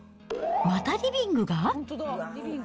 またリビングが？